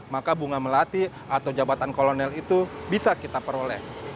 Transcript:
maka bunga melati atau jabatan kolonel itu bisa kita peroleh